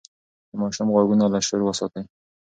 د ماشوم غوږونه له شور وساتئ.